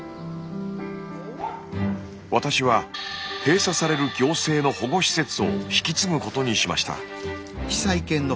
私は閉鎖される行政の保護施設を引き継ぐことにしました。